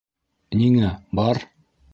- Ниңә, бар.